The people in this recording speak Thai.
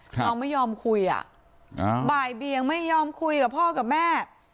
น้องไม่ยอมคุยอ่ะอ่าบ่ายเบียงไม่ยอมคุยกับพ่อกับแม่